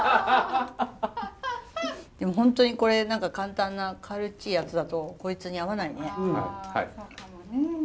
でも本当にこれ何か簡単な軽っちいやつだとこいつに合わないね。